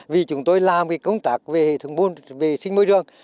vì chúng tôi làm cái công tác về hệ thống vô sinh môi trường